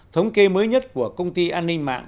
thống kê mới nhất của công ty an ninh mạng